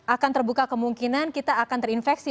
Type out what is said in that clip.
akan terbuka kemungkinan kita akan terinfeksi